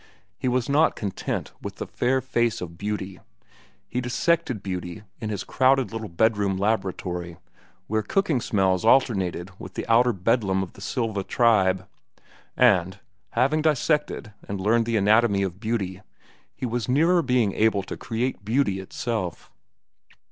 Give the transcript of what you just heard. He was not content with the fair face of beauty. He dissected beauty in his crowded little bedroom laboratory, where cooking smells alternated with the outer bedlam of the Silva tribe; and, having dissected and learned the anatomy of beauty, he was nearer being able to create beauty itself.